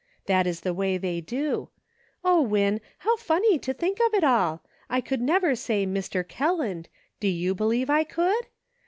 That is the way they do. O, Win, how very funny to think of it all! I could never say ' Mr. Kelland ;' do you believe I could